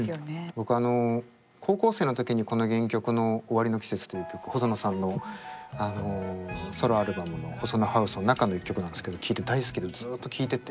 僕あの高校生の時にこの原曲の「終りの季節」という曲細野さんのあのソロアルバムの「ＨＯＳＯＮＯＨＯＵＳＥ」の中の一曲なんですけど聴いて大好きでずっと聴いてて。